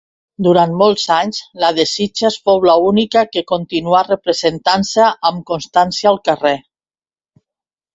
Durant molts anys, la de Sitges fou l’única que continuà representant-se amb constància al carrer.